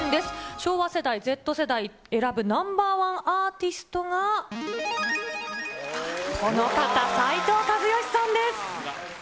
昭和世代・Ｚ世代選ぶＮｏ．１アーティストが、この方、斉藤和義さんです。